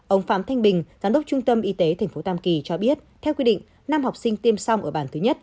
ông phạm thanh bình giám đốc trung tâm y tế tp tam kỳ cho biết theo quy định năm học sinh tiêm xong ở bàn thứ nhất